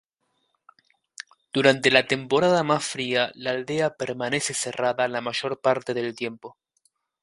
Durante la temporada más fría la aldea permanece cerrada la mayor parte del tiempo.